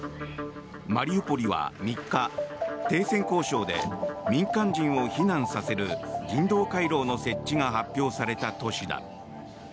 マリウポリは３日、停戦交渉で民間人を避難させる人道回廊の設置が発表された都市だ。